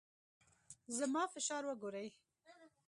زما فشار وګورئ.